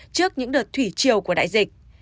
trước những đợt thủy triều của đại dịch